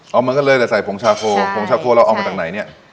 เอาเหมือนกันเลยแต่ใส่ผงชาโคผงชาโคเราเอามาจากไหนเนี่ย